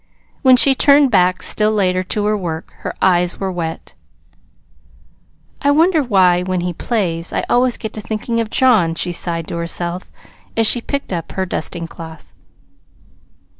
When she turned back, still later, to her work, her eyes were wet. "I wonder why, when he plays, I always get to thinking of John," she sighed to herself, as she picked up her dusting cloth.